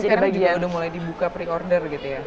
jadi sekarang juga udah mulai dibuka pre order gitu ya